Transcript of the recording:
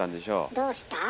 どうした？